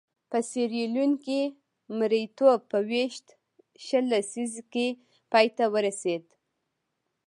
په سیریلیون کې مریتوب په ویشت شل لسیزه کې پای ته ورسېد.